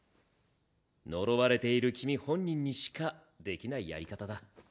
呪われている君本人にしかできないやり方だ。